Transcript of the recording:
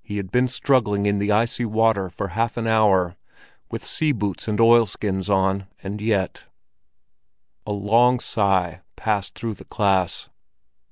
He had been struggling in the icy water for half an hour—with sea boots and oilskins on—and yet—" A long sigh passed through the class.